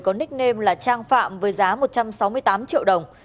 có nickname là trang phạm với giá một trăm sáu mươi tám triệu đồng